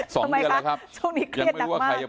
ทำไมคะช่วงนี้เครียดหนักมาก